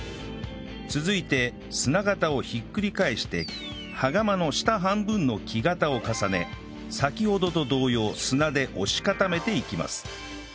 続いて砂型をひっくり返して羽釜の下半分の木型を重ね先ほどと同様砂で押し固めていきます